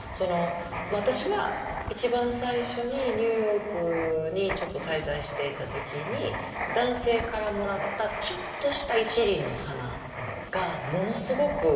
私は一番最初にニューヨークにちょっと滞在していた時に男性からもらったちょっとした１輪の花がものすごく心を打たれて。